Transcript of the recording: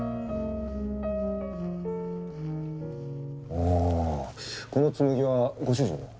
はあこの紬はご主人の？